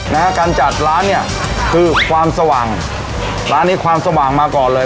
นะฮะการจัดร้านเนี่ยคือความสว่างร้านนี้ความสว่างมาก่อนเลย